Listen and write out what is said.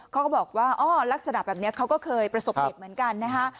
เขาก็บอกว่าอ้อลักษณะแบบนี้เขาก็เคยประสบเหตุเหมือนกันนะฮะ